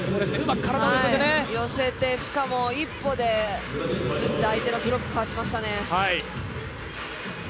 寄せて、しかも一歩で相手のブロックをかわしましたね。